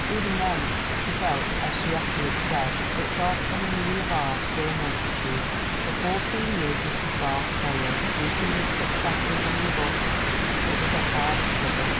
Even then she felt, as she afterward said, that "God and Amelia Barr were a multitude." For fourteen years Mrs. Barr toiled, meeting with successes and rebuffs. It was a hard struggle.